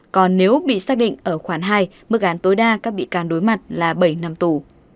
còn nếu bị xác định ở khoản hai mức án tối đa các bị can đối mặt là bảy năm tù